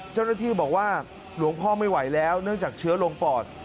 เจ้าหน้าที่บอกว่าหลวงพ่อไม่ไหวแล้วเนื่องจากเชื้อลงปอด